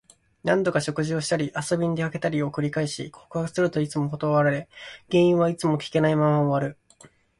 何度か食事をしたり、遊びに出かけたりを繰り返し、告白するといつも断られ、原因はいつも聞けないまま終わる。